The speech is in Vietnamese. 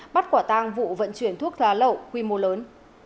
bắt quả tang vụ vận chuyển thuốc lá lậu quy mô lớn